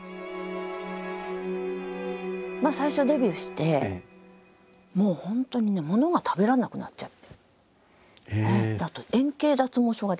最初デビューしてもう本当にねものが食べられなくなっちゃって。